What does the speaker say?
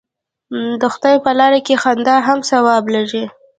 د خدای په لاره کې خندا هم ثواب لري.